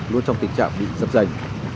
luôn trong tình trạng bị dập dành